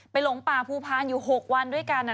หลงป่าภูพานอยู่๖วันด้วยกัน